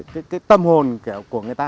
cái tâm hồn của người ta